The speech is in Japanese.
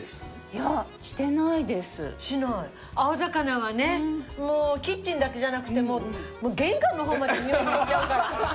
青魚はねもうキッチンだけじゃなくて玄関の方までにおいが行っちゃうから。